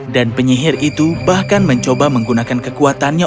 dan penyihir itu bahkan mencoba menggunakan kekuatannya